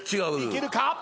いけるか？